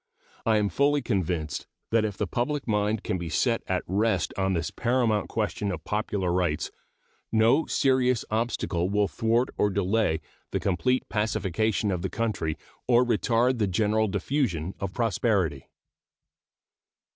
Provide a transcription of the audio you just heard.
I am fully convinced that if the public mind can be set at rest on this paramount question of popular rights no serious obstacle will thwart or delay the complete pacification of the country or retard the general diffusion of prosperity.